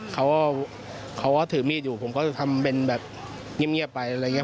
เขาก็เขาก็ถือมีดอยู่ผมก็จะทำเป็นแบบเงียบไปอะไรอย่างนี้